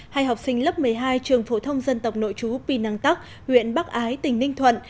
hai học sinh lớp một mươi hai trường phổ thông dân tộc nội chú pinang tak huyện bắc ái tỉnh ninh thuận